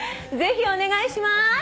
ぜひお願いします。